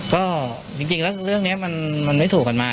ก็จริงแล้วเรื่องนี้มันไม่ถูกกันมา